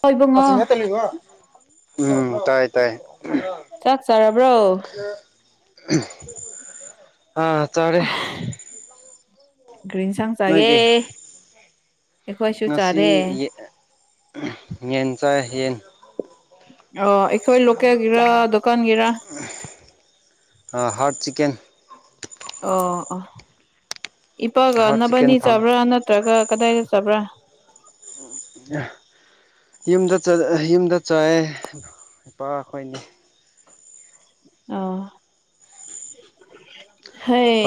ꯍꯣꯏ ꯏꯕꯨꯡꯉꯣ ꯎꯝ ꯇꯥꯏ ꯇꯥꯏ ꯆꯥꯛ ꯆꯥꯔꯕ꯭ꯔꯣ ꯑ ꯇꯧꯔꯦ ꯭ꯔꯤꯟ ꯁꯥꯡ ꯆꯒꯦ ꯉꯁꯤ ꯌꯦꯟ ꯆꯥ ꯌꯦꯟ ꯑꯣ ꯑꯩꯈꯣꯏ ꯂꯣꯀꯦꯜꯒꯤꯔ ꯗꯨꯀꯥꯟꯒꯤꯔ ꯍꯥꯠ ꯆꯀꯦꯟ ꯑꯣ ꯑꯣ ꯏꯄꯥꯒ ꯍꯥꯔꯠ ꯆꯤꯛꯀꯟ ꯅꯕꯅꯤ ꯐꯪ ꯆꯥꯕ꯭ꯔꯥ ꯅꯠꯇ꯭ꯔꯒ ꯀꯗꯥꯏꯗ ꯆꯕ꯭ꯔꯥ ꯌꯥ ꯌꯨꯝꯗ ꯌꯨꯝꯗ ꯆꯠꯑꯦ ꯏꯄꯥ ꯑꯩꯈꯣꯏꯅꯤ ꯑ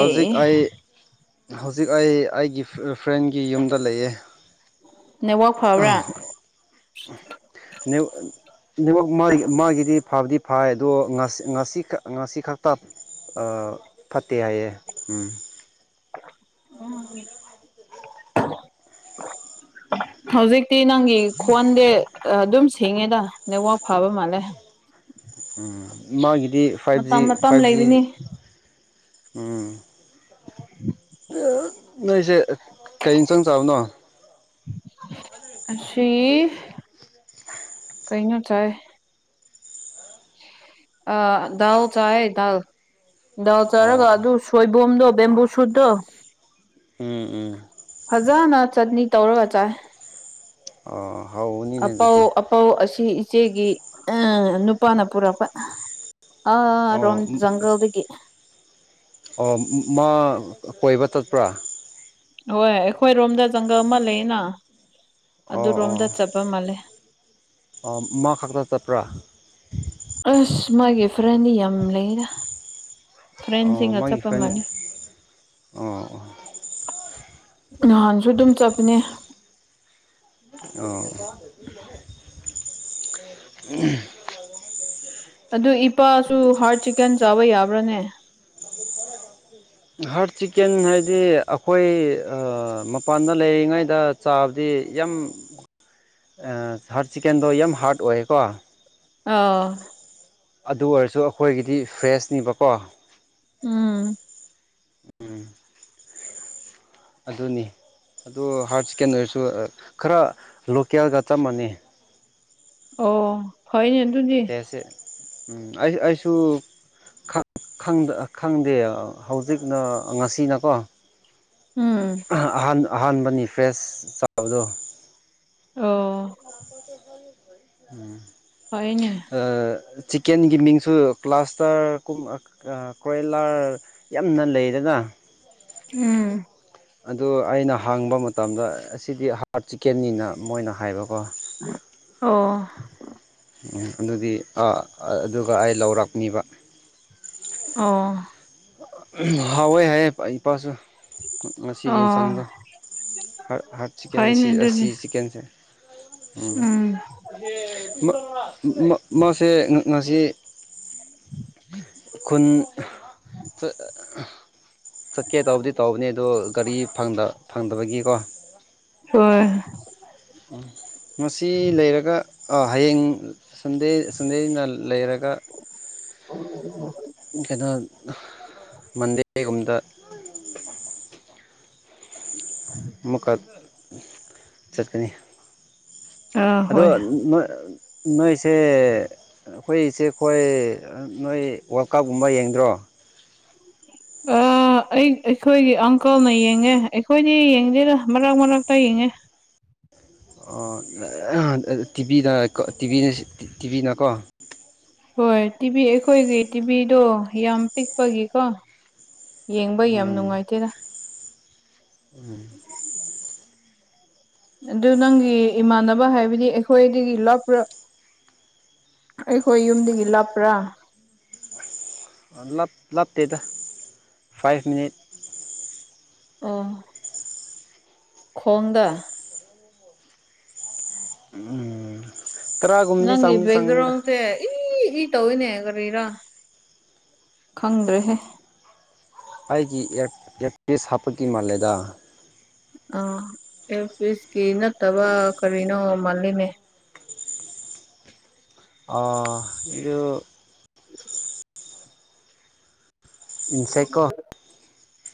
ꯍꯧꯖꯤꯛ ꯑꯩ ꯍꯧꯖꯤꯛ ꯑꯩ ꯑꯩꯒꯤ ꯐ꯭ꯔꯦꯟꯒꯤ ꯌꯨꯝꯗ ꯂꯩꯌꯦ ꯅꯦꯠꯋꯥꯛ ꯐꯕ꯭ꯔꯥ ꯅ ꯑꯗꯨꯃꯛ ꯃꯥꯒꯤ ꯃꯥꯒꯤꯗꯤ ꯐꯕꯗꯤ ꯐꯥꯏ ꯑꯗꯣ ꯉꯁꯤ ꯉꯁꯤ ꯉꯁꯤ ꯈꯛꯇ ꯐꯠꯇꯦ ꯍꯥꯏꯌꯦ ꯎꯝ ꯍꯧꯖꯤꯛꯇꯤ ꯅꯪꯒꯤ ꯈꯣꯟꯗꯦ ꯑꯗꯨꯝ ꯊꯦꯡꯉꯦꯗ ꯅꯋꯥꯛ ꯐꯥꯕ ꯃꯥꯜꯂꯦ ꯃꯥꯒꯤꯗꯤ ꯐꯥꯏꯚ ꯖꯤ ꯃꯇꯝ ꯃꯇꯝ ꯐꯥꯏꯚꯖꯤ ꯂꯩꯕꯅꯤ ꯎꯝ ꯅꯣꯏꯁꯦ ꯀꯩ ꯆꯪ ꯆꯕꯅꯣ ꯑ ꯁꯤ [inaudible] ꯀꯩꯅꯣ ꯆ ꯑ ꯎ ꯆꯌꯦ ꯗꯜ ꯗꯥꯎ ꯆꯥꯔꯒ ꯑꯣ ꯑꯗꯨ ꯁꯣꯏꯕꯝꯗꯣ ꯕꯦꯝꯕꯨ ꯁꯨꯗꯣ ꯎꯝ ꯎꯝ ꯑꯣꯖꯥꯅ ꯆꯠꯅꯤ ꯇꯧꯔꯒ ꯆꯥꯏ ꯑꯣ ꯍꯥꯎꯕꯅꯤꯅꯦ ꯑꯄꯥꯎ ꯑꯗꯨꯗꯤ ꯑꯄꯥꯎ ꯑꯁꯤ ꯏꯆꯦꯒꯤ ꯑ ꯅꯨꯄꯥꯅ ꯄꯨꯔꯛꯄ ꯑꯥ ꯔꯣꯝ ꯑꯣ ꯖꯪꯒꯜꯗꯒꯤ ꯑꯣ ꯃ ꯀꯣꯏꯕ ꯇꯠꯄ꯭ꯔꯥ ꯍꯣꯏ ꯑꯩꯈꯣꯏꯔꯣꯝꯗ ꯖꯪꯒꯜ ꯑꯃ ꯂꯩꯌꯦꯅ ꯑꯣ ꯑꯣ ꯑꯥ ꯃ ꯈꯥꯛꯛꯇ ꯆꯄ꯭ꯔꯥ ꯑꯁ ꯃꯥꯒꯤ ꯐ꯭ꯔꯦꯟ ꯌꯥꯝ ꯂꯩꯗ ꯑꯣ ꯐ꯭ꯔꯦꯟꯁꯤꯡꯒ ꯃꯥꯒꯤ ꯆꯠꯄ ꯐ꯭ꯔꯦꯟ ꯃꯥꯅꯤ ꯑꯣ ꯅꯍꯥꯟꯁꯨ ꯑꯗꯨꯝ ꯆꯠꯄꯅꯦ ꯑꯣ ꯑꯗꯨ ꯏꯄꯥꯁꯨ ꯍꯥꯔꯠ ꯆꯤꯛꯀꯟ ꯆꯥꯕ ꯌꯥꯕ꯭ꯔꯥꯅꯦ ꯍꯥꯔꯠ ꯆꯤꯛꯀꯦꯟ ꯍꯥꯏꯗꯤ ꯑꯩꯈꯣꯏ ꯃꯄꯥꯟꯗ ꯂꯩꯔꯤꯉꯩꯗ ꯆꯥꯕꯗꯤ ꯌꯥꯝ ꯍꯥꯔꯠ ꯆꯤꯛꯀꯦꯟꯗꯣ ꯌꯥꯝ ꯍꯥꯔꯗ ꯑꯣꯏꯌꯦꯀꯣ ꯑ ꯑꯗꯨ ꯑꯣꯏꯔꯁꯨ ꯑꯩꯈꯣꯏꯒꯤꯗꯤ ꯐ꯭ꯔꯦꯁꯅꯤꯕꯀꯣ ꯎꯝ ꯎꯝ ꯑꯗꯨꯅꯤ ꯑꯗꯨ ꯍꯥꯏꯔ ꯁꯦꯀꯦꯟꯗꯔꯤꯁꯨ ꯈꯔ ꯂꯣꯀꯦꯜꯒ ꯆꯞꯃꯅꯤ ꯑꯣ ꯐꯅꯦ ꯇꯨꯗꯤ ꯇꯦꯁꯁꯦ ꯎꯝ ꯑꯩꯁꯨ ꯑꯩꯁꯨ ꯈꯪꯗꯦ ꯍꯧꯖꯤꯛꯅ ꯉꯁꯤꯅꯀꯣ ꯎꯝ ꯑꯍ ꯑꯍꯥꯟꯕꯅꯤ ꯐ꯭ꯔꯦꯁ ꯆꯥꯕꯗꯣ ꯑꯣ ꯎꯝ ꯐꯩꯅꯦ ꯆꯤꯛꯀꯦꯟꯒꯤ ꯃꯤꯡꯁꯨ ꯀ꯭ꯂꯥꯁꯇꯔ ꯀ꯭ꯔꯦꯂꯥꯔ ꯌꯥꯝꯅ ꯂꯩꯔꯒ [inaudible] ꯎꯝ ꯑꯗꯨ ꯑꯩꯅ ꯍꯥꯡꯕ ꯃꯇꯝꯗ ꯑꯁꯤꯗꯤ ꯍꯥꯔꯠ ꯆꯤꯛꯀꯦꯟꯅꯤꯅ ꯃꯣꯏꯅ ꯍꯥꯏꯕꯀꯣ ꯑꯣ ꯎ ꯑꯗꯨꯗꯤ ꯑꯗꯨꯒ ꯑꯩ ꯂꯧꯔꯛꯅꯤꯕ ꯑꯣ ꯍꯑꯣ ꯍꯥꯏ ꯑꯩ ꯄꯁꯨ ꯃꯁꯤꯒꯤ ꯑꯣ ꯌꯦꯟꯁꯥꯡꯗꯣ ꯍꯥꯔꯠ ꯆꯤꯛꯀ ꯐꯩꯅꯦ ꯑꯁꯤ ꯑꯗꯨꯗꯤ ꯆꯤꯛꯀꯟꯁꯦ ꯎꯝ ꯃꯥꯁꯦ ꯉꯁꯤ ꯈꯨꯟ ꯆꯠꯀꯦ ꯇꯧꯕꯗꯤ ꯇꯧꯕꯅꯦ ꯑꯗꯣ ꯒꯥꯔꯤ ꯐꯪꯗꯕꯒꯤꯀꯣ ꯍ ꯎꯝ ꯃꯁꯤ ꯂꯩꯔꯒ ꯍꯌꯦꯡ ꯁꯟꯗꯦ ꯁꯟꯗꯦꯅ ꯂꯩꯔꯒ ꯑꯣ ꯀꯩꯅꯣ ꯃꯟꯗꯦꯒꯨꯝꯗ ꯃꯧꯀꯥ ꯆꯠꯀꯅꯤ ꯑꯥ ꯑꯗ ꯍꯣꯏ ꯅꯣꯏꯁꯦ ꯑꯩꯈꯣꯏꯁꯦ ꯑꯩꯈꯣꯏ ꯅꯣꯏ ꯋꯥꯔꯜ ꯀꯞꯀꯨꯝꯕ ꯌꯦꯡꯗ꯭ꯔꯣ ꯑ ꯑ ꯑꯩ ꯑꯩꯈꯣꯏꯒꯤ ꯑꯪꯀꯜꯅ ꯌꯦꯡꯉꯦ ꯑꯩꯈꯣꯏꯗꯤ ꯌꯦꯡꯗꯦꯗ ꯃꯔꯛ ꯃꯔꯛꯇ ꯌꯦꯡꯉꯦ ꯇꯤꯚꯤꯗ ꯇꯤꯚꯤ ꯇꯤꯚꯤꯅꯀꯣ ꯍꯣꯏ ꯇꯤꯚꯤ ꯑꯩꯈꯣꯏꯒꯤ ꯇꯤꯚꯤꯗꯣ ꯌꯥꯝ ꯄꯤꯛꯄꯒꯤꯀꯣ ꯌꯦꯡꯕ ꯌꯥꯝ ꯎꯝ ꯅꯨꯡꯉꯥꯏꯇꯦꯗ [unintelligible] ꯑꯗꯨ ꯅꯪꯒꯤ ꯏꯃꯥꯟꯅꯕ ꯍꯥꯏꯕꯗꯤ ꯑꯩꯈꯣꯏꯗꯒꯤ ꯂꯥꯞꯄꯔ ꯑꯩꯈꯣꯏ ꯌꯨꯝꯗꯒꯤ ꯂꯥꯞꯄ꯭ꯔꯥ ꯑ ꯂꯥꯞꯇꯦꯗ ꯐꯥꯏꯚ ꯃꯤꯅꯤꯠ ꯑꯣ ꯈꯣꯡꯗ ꯎꯝ ꯇꯔꯥꯒꯨꯝꯕꯗꯤ ꯅꯪꯒꯤ ꯆꯪꯗꯤ ꯆꯪꯒꯅꯤꯗ ꯕꯦꯛꯒꯔꯥꯎꯟꯁ‌ꯦ ꯏ ꯏ ꯇꯧꯋꯤꯅꯦ ꯀꯔꯤꯔꯥ ꯈꯪꯗ꯭ꯔꯦꯍꯦ ꯈ‌ꯣꯏꯒꯤ ꯏꯌꯥꯔ ꯏꯌꯥꯔ ꯄꯤꯁ ꯍꯥꯞꯄꯒꯤ ꯃꯥꯜꯂꯦꯗ ꯑꯥ ꯑꯦ ꯏꯌꯥꯔ ꯄꯤꯁꯀꯤ ꯅꯠꯇꯕ ꯀꯔꯤꯅꯣ ꯃꯥꯜꯂꯤꯅꯦ ꯑꯥ ꯌꯨ ꯏꯟꯁꯦꯀꯣ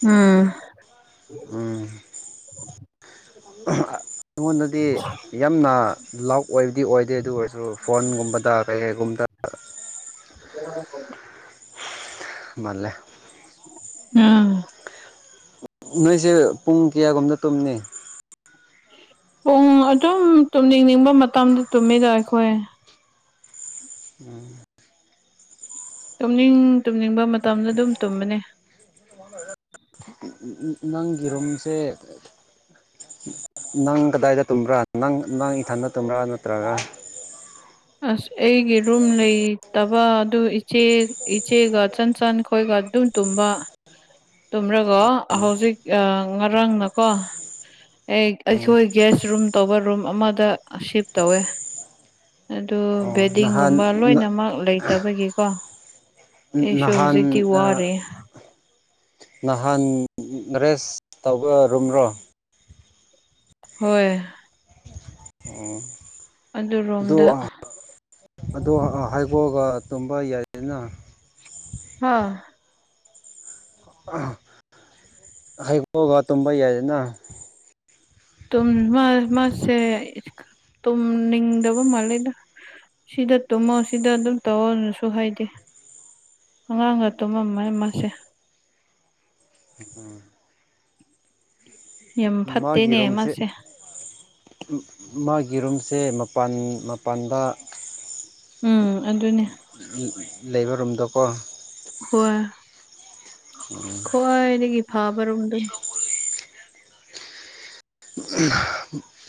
ꯎꯝ ꯎꯝ ꯑꯩꯉꯣꯟꯗꯗꯤ ꯌꯥꯝꯅ ꯂꯥꯎꯠ ꯑꯣꯏꯕꯗꯤ ꯑꯣꯏꯗꯦ ꯑꯗꯨ ꯑꯣꯏꯔꯁꯨ ꯐꯣꯟꯒꯨꯝꯕꯗ ꯀꯩꯀꯩꯒꯨꯝꯕꯗ [unintelligible] ꯃꯥꯜꯂꯦ ꯎꯝ ꯅꯣꯏꯁꯦ ꯄꯨꯡ ꯀꯌꯥꯒꯨꯝꯗ ꯇꯨꯝꯅꯤ ꯄꯨꯡ ꯑꯗꯨꯝ ꯇꯨꯝꯅꯤꯡꯅꯤꯡꯕ ꯃꯇꯝꯗ ꯇꯨꯝꯃꯤꯗ ꯑꯩꯈꯣꯏ ꯎꯝ ꯇꯨꯝꯅꯤꯡ ꯇꯨꯝꯅꯤꯡꯕ ꯃꯇꯝꯗ ꯑꯗꯨꯝ ꯇꯨꯝꯕꯅꯤ ꯅꯪꯒꯤ ꯔꯨꯝꯁꯦ ꯅꯪ ꯀꯗꯥꯏꯗ ꯇꯨꯝꯕ꯭ꯔꯥ ꯅꯪ ꯅꯪ ꯏꯊꯟꯗ ꯇꯨꯝꯕ꯭ꯔꯥ ꯅꯠꯇ꯭ꯔꯒ ꯑꯁ ꯑꯩꯒꯤ ꯔꯨꯝ ꯂꯩꯇꯕ ꯑꯗꯨ ꯏꯆꯦ ꯏꯆꯦꯒ ꯆꯟꯆꯟ ꯈꯣꯏꯒ ꯑꯗꯨ ꯇꯨꯝꯕ ꯇꯨꯝꯔꯒ ꯍꯧꯖꯤꯛ ꯉꯔꯥꯡꯅꯀꯣ ꯑꯩ ꯑꯩꯈꯣꯏ ꯒꯦꯁ ꯔꯨꯝ ꯇꯧꯕ ꯔꯨꯝ ꯑꯃꯗ ꯁꯤꯞ ꯇꯧꯋꯦ ꯑꯗꯨ ꯅꯍꯥꯟ ꯕꯦꯗꯤꯡꯒꯨꯝꯕ ꯂꯣꯏꯅꯃꯛ ꯂꯩꯇꯕꯒꯤꯀꯣ ꯑꯦꯁꯨ ꯅꯍꯥꯟ ꯍꯧꯖꯤꯛꯀꯇꯤ ꯋꯥꯔꯦ ꯅꯍꯥꯟ ꯔꯦꯁ ꯇꯧꯕ ꯔꯨꯝꯔꯣ ꯍꯣꯏ ꯎꯝ ꯑꯗꯨꯔꯣꯝꯗ ꯑꯗ‌ꯣ ꯍꯥꯏꯒꯣꯛꯑꯒ ꯇꯨꯝꯕ ꯌꯥꯏꯗꯅ ꯑꯥ ꯍꯩꯒꯣꯛꯑꯒ ꯇꯨꯝꯕ ꯌꯥꯏꯗꯅ ꯇꯨꯝ ꯃꯥ ꯃꯥꯁꯦ ꯇꯨꯝꯅꯤꯡꯗꯕ ꯃꯥꯜꯂꯦꯗ ꯁꯤꯗ ꯇꯨꯝꯃꯣ ꯁꯤꯗ ꯑꯗꯨꯝ ꯇꯧꯑꯣꯅꯁꯨ ꯍꯥꯏꯗꯦ ꯑꯉꯥꯡꯒ ꯇꯨꯝꯃꯝꯃ ꯃꯥꯁꯦ ꯎ ꯎꯝ ꯌꯥꯝ ꯃꯥꯒꯤ ꯐꯠꯇꯦꯅꯦ ꯔꯨꯝꯁꯦ ꯃꯥꯁꯦ ꯃꯥꯒꯤ ꯔꯨꯝ ꯁꯦ ꯃꯄꯥꯟ ꯃꯄꯥꯟꯗ ꯎꯝ ꯑꯗꯨꯅꯦ ꯂꯩꯕ ꯔꯨꯝꯗꯀꯣ ꯍꯣꯏ ꯈ꯭ꯋꯥꯏꯗꯒꯤ ꯐꯕ ꯔꯨꯝꯗꯨꯅꯤ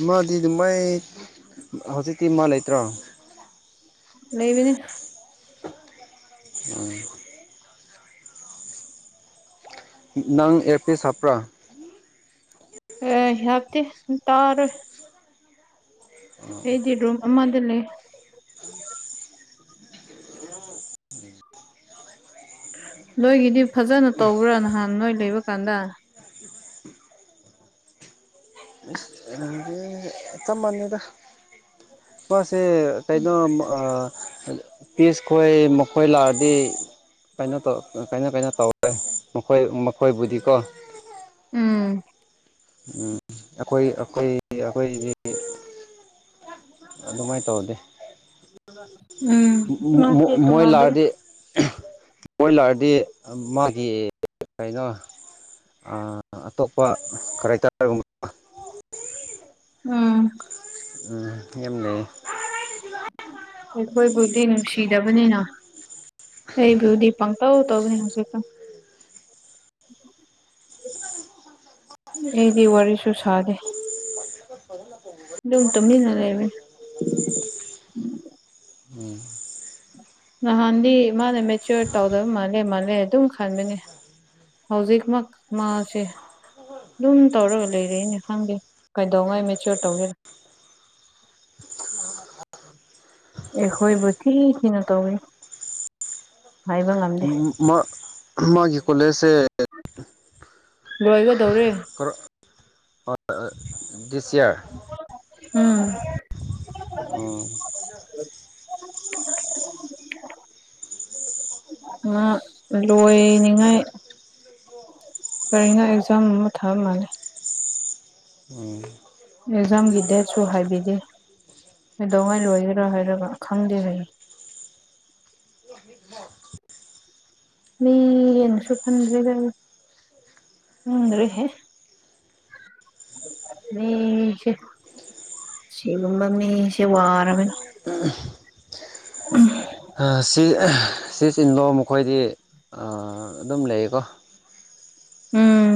ꯃꯥꯗꯤ ꯑꯗꯨꯃꯥꯏ ꯍꯧꯖꯤꯛꯇꯤ ꯃꯥ ꯂꯩꯇ꯭ꯔꯣ ꯂꯩꯕꯥꯅꯦ ꯑ ꯅꯪ ꯑꯦꯌꯥꯔꯄꯤꯁ ꯍꯥꯄ꯭ꯔ ꯑ ꯍꯥꯞꯇꯦ ꯇꯥꯔꯦ ꯑꯩꯗꯤ ꯔꯨꯝ ꯑꯃꯥꯗ ꯂꯩ ꯅꯣꯏꯒꯤꯗꯤ ꯐꯖꯅ ꯇꯧꯕ꯭ꯔꯥ ꯅꯍꯥꯟ ꯅꯣꯏ ꯂꯩꯕ ꯀꯥꯟꯗ ꯆꯞ ꯃꯥꯟꯅꯩꯗ ꯃꯥꯁꯦ ꯀꯩꯅꯣ ꯃ ꯑꯥ ꯑꯗ ꯄꯤꯁ ꯈꯣꯏ ꯃꯈꯣꯏ ꯂꯥꯛꯑꯗꯤ ꯀꯩꯅꯣ ꯇꯧ ꯑꯥ ꯀꯩꯅꯣ ꯀꯩꯅꯣ ꯇꯧꯔꯦ ꯃꯈꯣꯏ ꯃꯈꯣꯏꯕꯨꯗꯤꯀꯣ ꯎꯝ ꯎꯝ ꯑꯈꯣꯏ ꯑꯈꯣꯏ ꯑꯩꯈꯣꯏꯗꯤ ꯑꯗꯨꯃꯥꯏꯅ ꯇꯧꯗꯦ ꯎꯝ ꯃꯣꯏ ꯃꯥꯁꯦ ꯃꯣꯏ ꯇꯣꯉꯥꯟꯕꯅꯤ ꯂꯥꯛꯑꯗꯤ ꯃꯣꯏ ꯂꯥꯛꯑꯗꯤ ꯑꯝ ꯃꯥꯒꯤ ꯀꯩꯅꯣ ꯑꯥ ꯑꯇꯣꯞꯄ ꯀꯔꯥꯏꯇꯔꯒꯨꯝꯃ ꯎꯝ ꯎꯝ ꯑꯦꯝ ꯂꯩꯌꯦ ꯑꯩꯈꯣꯏꯕꯨꯗꯤ ꯅꯨꯡꯁꯤꯗꯕꯅꯤꯅ ꯑꯩꯕꯨꯗꯤ ꯄꯪꯇꯧ ꯇꯧꯕꯅꯤ ꯍꯧꯖꯤꯛꯀꯥꯟ [inaudible] ꯑꯩꯗꯤ ꯋꯥꯔꯤꯁꯨꯨ ꯁꯥꯗꯦ ꯑꯗꯨꯝ ꯇꯨꯃꯤꯟꯅ ꯂꯩꯕꯅꯤ ꯎꯝ ꯅꯍꯥꯟꯗꯤ ꯃꯥꯅ ꯃꯦꯆꯌꯣꯔ ꯇꯧꯗꯕ ꯃꯥꯜꯂꯦ ꯃꯥꯜꯂꯦ ꯑꯗꯨꯝ ꯈꯟꯕꯅꯤ ꯍꯧꯖꯤꯛ ꯃꯛ ꯃꯥꯁꯦ ꯑꯗꯨꯝ ꯇꯧꯔꯒ ꯂꯩꯔꯦꯅꯦ ꯈꯪꯗꯦ ꯀꯩꯗꯧꯉꯥꯏ ꯃꯦꯆꯌꯣꯔ ꯇꯧꯗꯣꯏꯅꯣ ꯑ ꯑꯩꯈꯣꯏꯕꯨ ꯊꯤ ꯊꯤꯅ ꯇꯧꯋꯦ ꯎꯝ ꯎꯝ ꯃꯥ ꯃꯥꯒꯤ ꯀꯣꯂꯦꯁ ꯁꯦ ꯂꯣꯏꯒꯗꯧꯔꯦ ꯗꯤꯁ ꯌꯥꯔ ꯎꯝ ꯎꯪ ꯉꯥ ꯂꯣꯏꯅꯤꯡꯉꯥꯏ ꯀꯔꯤꯅꯣ ꯑꯦꯛꯖꯥꯝ ꯑꯃ ꯊꯥꯕ ꯃꯥꯜꯂꯦ ꯑꯦꯖꯥꯝꯒꯤ ꯗꯦꯠꯁꯨ ꯍꯥꯏꯕꯤꯗꯦ ꯀꯩꯗꯧꯉꯩ ꯂꯣꯏꯒꯦꯔꯥ ꯍꯥꯏꯔꯒ ꯈꯪꯗꯦ ꯍꯥꯏꯔ ꯂꯦ [inaudible] ꯄꯤꯒꯦꯅꯁꯨ ꯈꯟꯗ꯭ꯔꯦꯗ ꯑꯩ ꯈꯪꯗ꯭ꯔꯦꯍꯦ ꯃꯤꯁꯦ ꯁꯤꯒꯨꯝꯕ ꯃꯤꯁꯦ ꯋꯥꯔꯕꯅꯦ [inaudible] ꯑ ꯁꯤ ꯑꯥ ꯁꯤ ꯆꯤꯂꯣ ꯃꯈꯣꯏꯗꯤ ꯑꯥ ꯑꯗꯨꯝ ꯂꯩꯌꯦꯀꯣ ꯎꯝ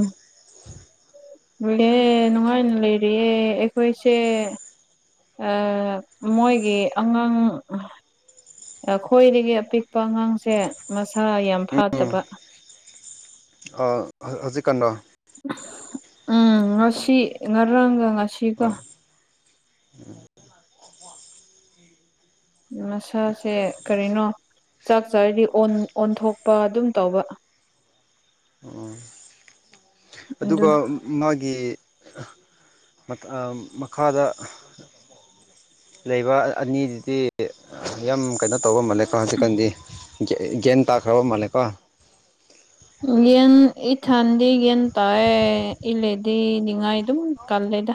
ꯂꯦ ꯅꯨꯡꯉꯥꯏꯅ ꯂꯩꯔꯤꯌꯦ ꯑꯩꯈꯣꯏꯁꯦ ꯑꯥ ꯃꯣꯏꯒꯤ ꯑꯉꯥꯡ ꯑꯩꯈꯣꯏꯗꯒꯤ ꯑꯄꯤꯛꯄ ꯑꯉꯥꯡꯁꯦ ꯃꯁꯥ ꯌꯥꯝ ꯎꯝ ꯐꯠꯇꯕ꯫ ꯍꯧ ꯍꯧꯖꯤꯛꯀꯥꯟ ꯂꯣ꯫ ꯎꯝ ꯉꯁꯤ ꯉꯔꯥꯡꯒ ꯉꯁꯤꯒ ꯑꯥ ꯃꯁꯥꯁꯦ ꯀꯔꯤꯅꯣ ꯆꯥꯛ ꯆꯥꯔꯗꯤ ꯑꯣꯟ ꯑꯣꯟꯊꯣꯛꯄ ꯑꯗꯨꯝ ꯇꯧꯕ꯫ ꯑꯣ꯫ [inaudible] ꯑꯗꯨ ꯑꯗꯨꯒ ꯃꯥꯒꯤ ꯃꯈꯥꯗ ꯂꯩꯕ ꯑꯅꯤꯗꯨꯗꯤ ꯌꯥꯝ ꯀꯩꯅꯣ ꯇꯧꯕ ꯃꯥꯜꯂꯦ꯫ ꯍꯧꯖꯤꯛꯀꯥꯟꯗꯤ ꯒ꯭ꯌꯥꯟ ꯇꯥꯈ꯭ꯔꯕ ꯃꯥꯜꯂꯦꯀꯣ꯫ ꯒꯌꯥꯟ ꯏꯊꯟꯗꯤ ꯒꯌꯥꯟ ꯇꯥꯏꯌꯦ ꯑꯩ ꯂꯩꯔꯗꯤ ꯅꯤꯡꯉꯥꯏ ꯑꯗꯨꯝ ꯀꯜꯂꯦ꯫ [unintelligible] [unintelligible]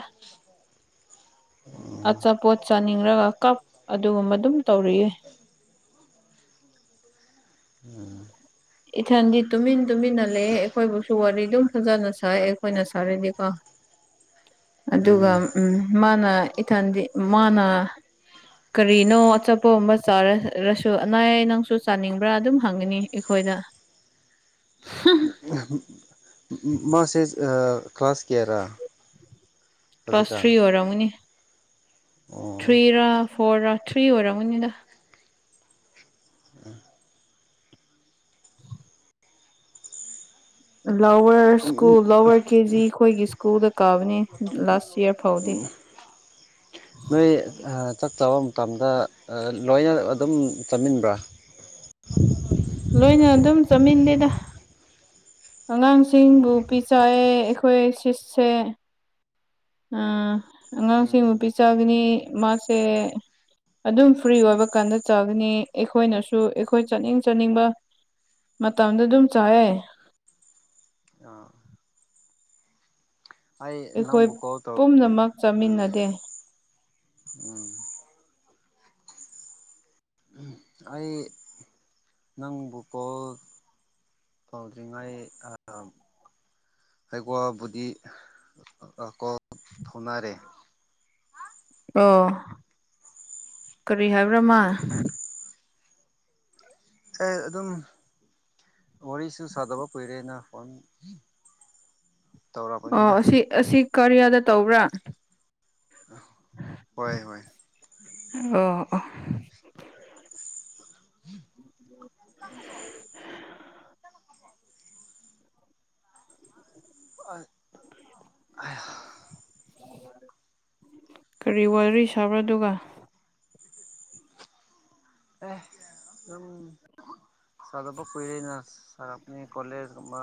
ꯑꯆꯥꯄꯣꯠ ꯆꯥꯅꯤꯡꯂꯒ ꯀꯞ ꯑꯗꯨꯒꯨꯝꯕ ꯑꯗꯨꯝ ꯇꯧꯔꯤꯌꯦ꯫ [inaudible] ꯏꯊꯟꯗꯤ ꯇꯨꯃꯤꯟ ꯇꯨꯃꯤꯟꯅ ꯂꯩꯌꯦ ꯑꯩꯈꯣꯏꯕꯨꯁꯨ ꯋꯥꯔꯤ ꯑꯗꯨꯝ ꯐꯖꯅ ꯁꯥꯏ ꯑꯩꯈꯣꯏꯅ ꯁꯥꯔꯗꯤꯀꯣ꯫ [inaudible] ꯑꯗꯨꯒ ꯎꯝ ꯃꯥꯅ ꯏꯊꯟꯗꯤ ꯃꯥꯅ ꯀꯔꯤꯅꯣ ꯑꯆꯥꯄꯣꯠ ꯑꯃ ꯆꯥꯔꯔꯁꯨ ꯑꯅꯥꯏꯌꯥ ꯅꯪꯁꯨ ꯆꯥꯅꯤꯡꯕ꯭ꯔꯥ ꯑꯗꯨꯝ ꯍꯪꯒꯅꯤ ꯑꯩꯈꯣꯏꯅ ꯃꯥꯁꯦꯁ ꯑ ꯀ꯭ꯂꯥꯁ ꯀꯥꯌꯔꯥ꯫ ꯀ꯭ꯂꯥꯁ ꯊ꯭ꯔꯤ ꯑꯣꯏꯔꯝꯒꯅꯤ꯫ ꯑꯣ ꯊ꯭ꯔꯤ ꯔ ꯐꯣꯔ ꯔ ꯊ꯭ꯔꯤ ꯑꯣꯏꯔꯝꯒꯅꯤꯗ꯫ Lower school lower K G ꯑꯩꯈꯣꯏꯒꯤ ꯁ꯭ꯀꯨꯜꯗ ꯀꯥꯕꯅꯤ ꯂꯥꯁ ꯏꯌꯥꯔ ꯐꯥꯎꯗꯤ꯫ [inaudible] ꯅꯣꯏ ꯑ ꯆꯥꯛꯆꯕ ꯃꯇꯝꯗ ꯑ ꯂꯣꯏꯅ ꯑꯗꯨꯝ ꯆꯥꯃꯤꯟꯕ꯭ꯔꯥ꯫ ꯂꯣꯏꯅ ꯑꯗꯨꯝ ꯆꯠꯃꯤꯟꯗꯦꯗ꯫ ꯑꯉꯥꯡꯁꯤꯡꯕꯨ ꯄꯤꯖꯩꯑꯦ ꯑꯩꯈꯣꯏ ꯁꯤꯠꯁꯦ ꯑ ꯑꯉꯥꯡꯁꯤꯡ ꯎꯝ ꯅꯨꯄꯤ ꯆꯥꯒꯅꯤ ꯃꯥꯁꯦ ꯑꯗꯨꯝ ꯐ꯭ꯔꯤ ꯑꯣꯏꯕ ꯀꯥꯟꯗ ꯆꯥꯒꯅꯤ ꯑꯩꯈꯣꯏꯅꯁꯨ ꯑꯩꯈꯣꯏ ꯆꯥꯅꯤꯡ ꯆꯥꯅꯤꯡꯕ ꯃꯇꯝꯗ ꯑꯗꯨꯝ ꯆꯥꯢꯑꯦ꯫ ꯑꯥ꯫ ꯑꯩ ꯑꯩꯈꯣꯏ ꯅꯪꯕꯨ ꯀꯣꯜ ꯇꯧ ꯄꯨꯝꯅꯃꯛ ꯎꯝ ꯆꯥꯃꯤꯟꯅꯗꯦ꯫ ꯎꯝ꯫ ꯑꯩ ꯅꯪꯕꯨ ꯀꯣꯜ ꯇꯧꯗꯔꯤꯉꯩ ꯑ ꯑꯩꯩꯀꯣꯋꯥꯕꯨꯗꯤ ꯀꯣ ꯐꯧꯅꯔꯦ꯫ ꯑꯣ ꯀꯔꯤ ꯍꯥꯏꯕ꯭ꯔꯥ ꯃꯥ꯫ ꯀꯩ ꯑꯗꯨꯝ ꯋꯥꯔꯤꯁꯨ ꯁꯥꯗꯕ ꯀꯨꯏꯔꯦꯅ ꯐꯣꯟ ꯑꯣ ꯇꯧꯔꯛꯄꯅꯤꯅ ꯑꯁꯤ ꯑꯁꯤ ꯀꯔꯤꯌꯥꯗ ꯇꯧꯕ꯭ꯔꯥ꯫ ꯍꯣꯏ ꯍꯣꯏ [inaudible] [inaudible] [inaudible] ꯀꯔꯤ ꯋꯥꯔꯤ ꯁꯥꯕ꯭ꯔꯥ ꯑꯗꯨꯒ꯫ ꯑꯦ ꯎꯝ ꯁꯥꯗꯕ ꯀꯨꯏꯔꯦꯅ ꯁꯥꯔꯛꯄꯅꯦ ꯀꯣꯂꯖ ꯃꯥ